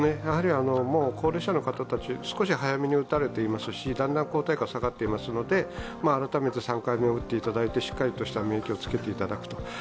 高齢者の方たち、少し早めに打たれていますしだんだん抗体価下がっていますので改めて３回目を打っていただいて、しっかりとした免疫をつけていただくと。